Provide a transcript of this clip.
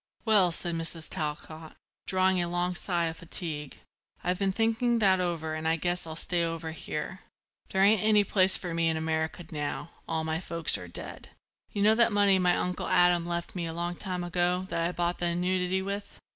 "Well," said Mrs. Talcott, drawing a long sigh of fatigue, "I've been thinking that over and I guess I'll stay over here. There ain't any place for me in America now; all my folks are dead. You know that money my Uncle Adam left me a long time ago that I bought the annuity with.